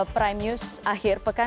prime news akhir pekan